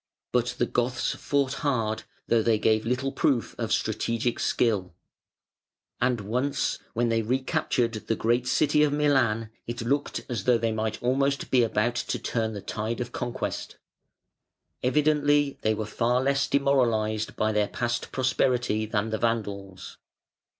But the Goths fought hard, though they gave little proof of strategic skill; and once, when they recaptured the great city of Milan, it looked as though they might almost be about to turn the tide of conquest. Evidently they were far less demoralised by their past prosperity than the Vandals.